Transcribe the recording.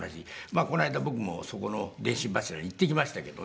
この間僕もそこの電信柱に行ってきましたけどね。